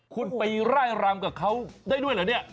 คุณไปไล่รำกับเขาได้ด้วยเหรอเนี่ย